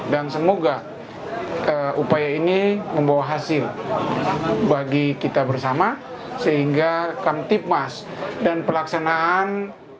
dan semoga upaya ini membawa hasil bagi kita bersama sehingga kamtipmas dan pelaksanaan